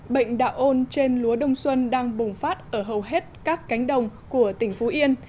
bệnh đạo ôn trên lúa đông xuân đang bùng phát ở hầu hết các cánh đồng của tỉnh phú yên